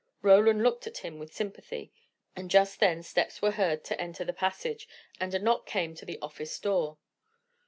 Roland looked at him with sympathy, and just then steps were heard to enter the passage, and a knock came to the office door.